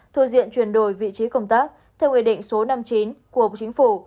thu diện chuyển đổi vị trí công tác theo nguyên định số năm mươi chín của chính phủ